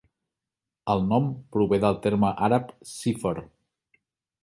El nom prové del terme àrab "cifr".